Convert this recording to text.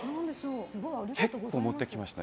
結構、持ってきました。